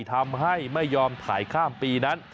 ทำให้ไม่ยอมถ่ายข้ามปีนั้น